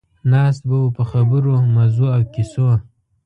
ناست به وو په خبرو، مزو او کیسو.